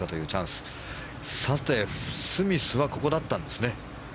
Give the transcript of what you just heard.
スミスは、ここだったんですね。